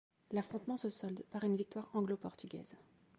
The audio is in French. L'affrontement se solde par une victoire anglo-portugaise.